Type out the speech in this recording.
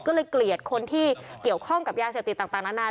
ก็เลยเกลียดคนที่เกี่ยวข้องกับยาเสพติดต่างนานา